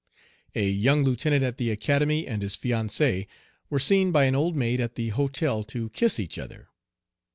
A young lieutenant at the Academy and his fiancée were seen by an old maid at the hotel to kiss each other.